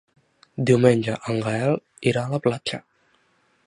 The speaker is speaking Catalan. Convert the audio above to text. Diumenge en Gaël irà a la platja.